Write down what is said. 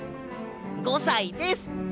５さいです。